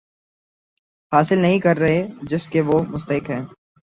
حاصل نہیں کر رہے جس کے وہ مستحق ہیں